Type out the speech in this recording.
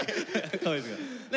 かわいいです。